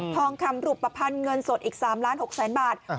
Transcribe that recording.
ทองคำรูปภัณฑ์เงินสดอีก๓ล้าน๖แสนบาท